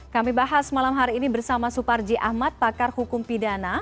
kami bahas malam hari ini bersama suparji ahmad pakar hukum pidana